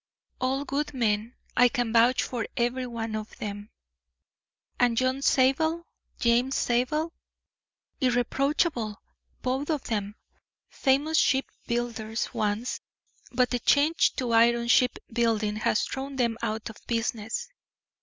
"All good men; I can vouch for every one of them." "And John Zabel, James Zabel?" "Irreproachable, both of them. Famous ship builders once, but the change to iron ship building has thrown them out of business.